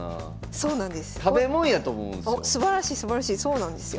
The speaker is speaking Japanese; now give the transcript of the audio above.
そうなんですよ。